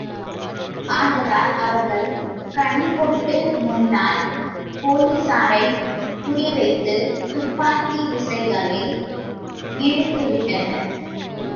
ஆதலால் அவர்கள் கண்கொட்டு முன்னால் போலிஸாரைக் குறிவைத்துத் துப்பாக்கி விசைகளை இழுத்துவிட்டனர்.